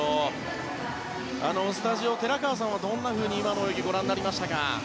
スタジオ寺川さんはどんなふうに今の泳ぎご覧になりましたか？